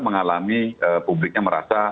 mengalami publiknya merasa